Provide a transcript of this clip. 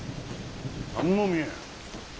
何も見えん。